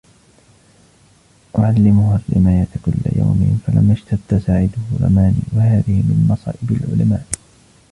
أُعَلِّمُهُ الرِّمَايَةَ كُلَّ يَوْمٍ فَلَمَّا اشْتَدَّ سَاعِدُهُ رَمَانِي وَهَذِهِ مِنْ مَصَائِبِ الْعُلَمَاءِ